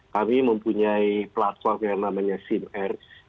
kami mempunyai platform yang namanya simr